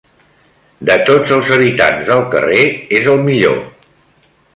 De tots els habitants del carrer, és el millor.